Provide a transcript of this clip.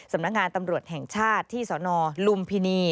สำนักงานตำรวจแห่งชาติที่สนลุมพินี